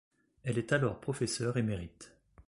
Elle est alors professeure émérite.